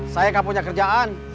saya gak punya kerjaan